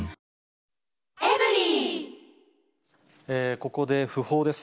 ここで訃報です。